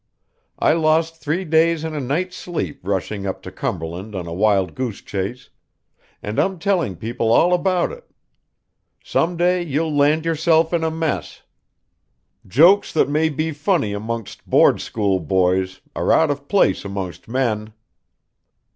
I lost three days and a night's sleep rushing up to Cumberland on a wild goose chase, and I'm telling people all about it. Some day you'll land yourself in a mess. Jokes that may be funny amongst board school boys are out of place amongst men.